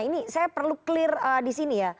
ini saya perlu clear di sini ya